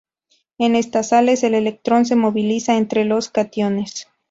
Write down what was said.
En estas sales, el electrón se moviliza entre los cationes.